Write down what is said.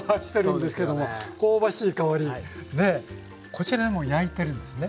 こちらでもう焼いてるんですね？